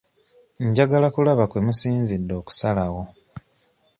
Njagala kulaba kwe musinzidde okusalawo.